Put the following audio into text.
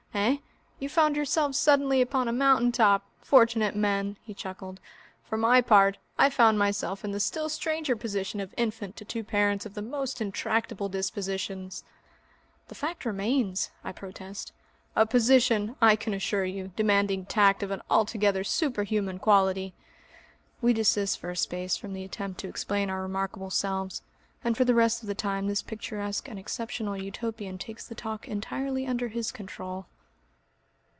Eh? ... You found yourselves suddenly upon a mountain top! Fortunate men!" He chuckled. "For my part I found myself in the still stranger position of infant to two parents of the most intractable dispositions!" "The fact remains," I protest. "A position, I can assure you, demanding Tact of an altogether superhuman quality!" We desist for a space from the attempt to explain our remarkable selves, and for the rest of the time this picturesque and exceptional Utopian takes the talk entirely under his control....